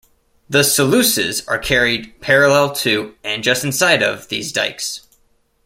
The sluices are carried parallel to, and just inside of, these dykes.